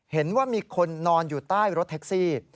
เห็นว่ามีคนนอนอยู่ใต้รถแท็กซี่